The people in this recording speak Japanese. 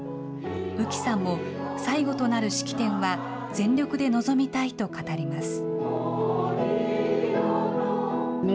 宇木さんも最後となる式典は、全力で臨みたいと語ります。